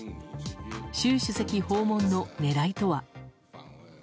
習主席訪問の狙いとは。